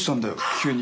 急に。